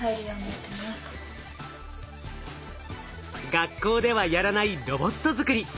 学校ではやらないロボット作り。